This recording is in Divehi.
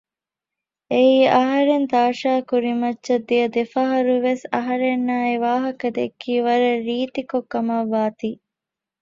އެއީ އަހަރެން ތާޝާ ކުރިމައްޗައް ދިޔަ ދެފަހަރުވެސް އަހަރެންނާއި ވާހަކަ ދެއްކީ ވަރަށް ރީތިކޮށް ކަމައްވާތީ